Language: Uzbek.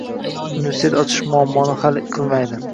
Universitet ochish muammoni hal qilmaydi.